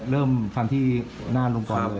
อ๋อเริ่มฟันที่หน้าลุงฟันเลย